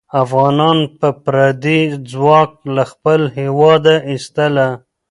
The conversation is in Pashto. افغانان به پردی ځواک له خپل هېواد ایستله.